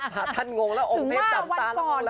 พาท่านงงแล้วอ้งเทพย้ำตามตาระงงนะ